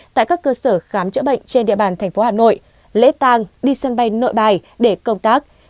tại các cơ sở khám chữa bệnh trên địa bàn thành phố hà nội lễ tang đi sân bay nội bài để công tác